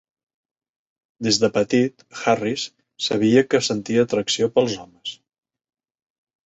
Des de petit, Harris sabia que sentia atracció pels homes.